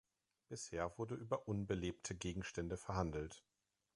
Bisher wurde über unbelebte Gegenstände verhandelt.